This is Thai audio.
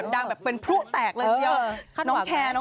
ดังแบบเป็นผู้แตกเลย